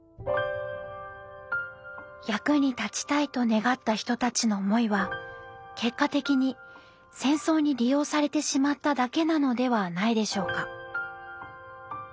役に立ちたいと願った人たちの思いは結果的に戦争に利用されてしまっただけなのではないでしょうか。